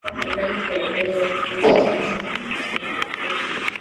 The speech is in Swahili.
Kuhema polepole Warm skin flushingMikono na miguu kuwa mizito